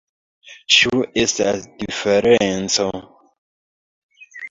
Ĉu estas diferenco?